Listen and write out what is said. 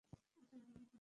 এটা আমার না!